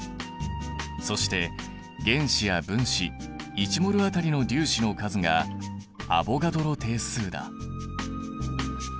そして原子や分子１ｍｏｌ当たりの粒子の数がアボガドロ定数だ。